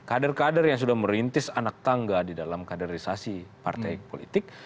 kader kader yang sudah merintis anak tangga di dalam kaderisasi partai politik